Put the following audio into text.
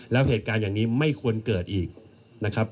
แล้วเหตุการณ์อย่างนี้ไม่ควรเกิดอีกนะครับ